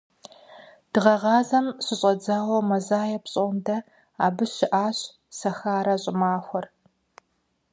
Дыгъэгъазэм щыщӏэдзауэ мазае пщӏондэ абы щыӏэщ «Сахарэ щӏымахуэр».